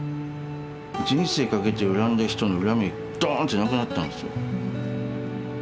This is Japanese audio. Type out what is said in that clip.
人生かけて恨んだ人の恨みがドーンってなくなったんですよ。